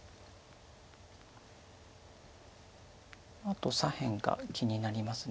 あと左辺が気になります。